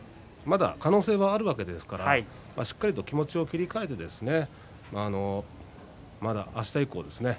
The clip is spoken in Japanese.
まだ可能性はあるわけですからしっかりと気持ちを切り替えてですねあした以降ですね。